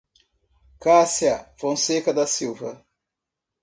Cassia Fonseca da Silva